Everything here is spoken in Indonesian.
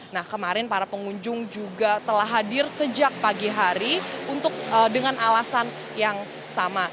nah kemarin para pengunjung juga telah hadir sejak pagi hari untuk dengan alasan yang sama